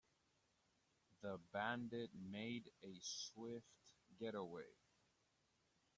The bandit made a swift getaway.